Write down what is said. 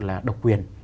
là độc quyền